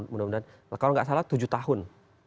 kalau tidak salah tujuh tahun